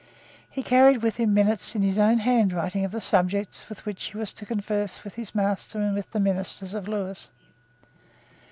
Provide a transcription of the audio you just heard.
He carried with him minutes in his own handwriting of the subjects on which he was to converse with his master and with the ministers of Lewis.